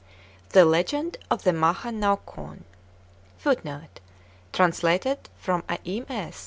THE LEGEND OF THE MAHA NAUGKON [Footnote: Translated from a MS.